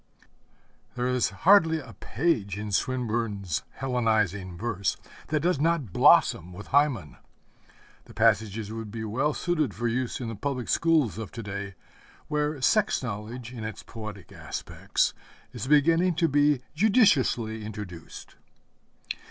There is hardly a page in Swinburne's Hellenizing verse that does not blossom with Hymen. The passages would be well suited for use in the public schools of to day where sex knowledge in its poetic aspects is beginning to be judiciously introduced.